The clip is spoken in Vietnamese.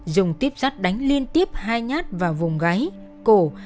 dùng tiếp sắt đánh liên tiếp hai nhát vào vùng gáy cổ